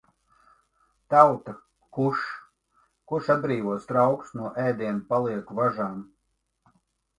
Tauta, kuš! Kurš atbrīvos traukus no ēdiena palieku važām?